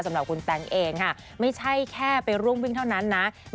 สำหรับคุณแต๊งเองค่ะไม่ใช่แค่ไปร่วมวิ่งเท่านั้นนะ